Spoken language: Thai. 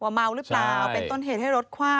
เมาหรือเปล่าเป็นต้นเหตุให้รถคว่ำ